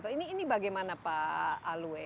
ini bagaimana pak alwe